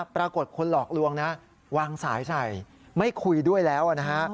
ปรากฏคนหลอกลวงนะวางสายใส่ไม่คุยด้วยแล้วนะฮะ